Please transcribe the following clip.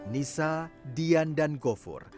nisa dian dan gofur